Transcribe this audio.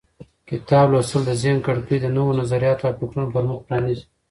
کتاب لوستل د ذهن کړکۍ د نوو نظریاتو او فکرونو پر مخ پرانیزي.